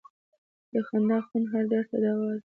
د خندا خوند هر درد ته دوا ده.